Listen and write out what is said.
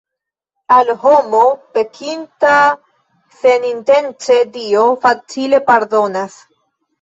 Al homo, pekinta senintence, Dio facile pardonas.